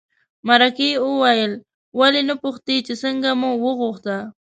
مرکې وویل ولې نه پوښتې چې څنګه مو وغوښته.